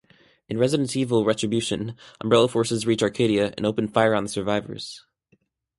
In "Resident Evil: Retribution", Umbrella forces reach Arcadia and open fire on the survivors.